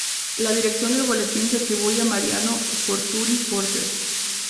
La dirección del boletín se atribuye a Mariano Fortuny Portell.